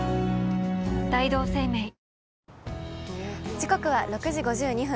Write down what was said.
時刻は６時５２分。